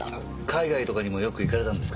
海外とかにもよく行かれたんですか？